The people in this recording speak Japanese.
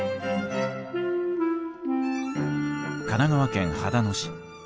神奈川県秦野市。